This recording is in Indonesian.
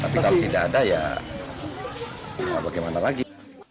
tapi kalau tidak ada ya bagaimana lagi